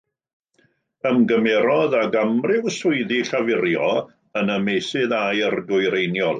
Ymgymerodd ag amryw swyddi llafurio yn y Meysydd Aur Dwyreiniol.